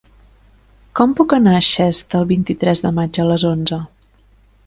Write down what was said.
Com puc anar a Xest el vint-i-tres de maig a les onze?